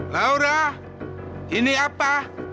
laura ini apa